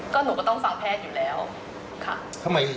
ก็หนูก็ต้องฟังแพทย์อยู่แล้วค่ะ